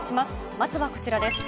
まずはこちらです。